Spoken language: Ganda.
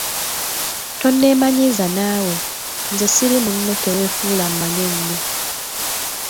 Tonneemanyiiza naawe, nze siri munno teweefuula ammanyi ennyo.